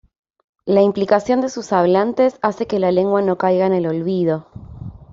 La implicación de sus hablantes hace que la lengua no caiga en el olvido.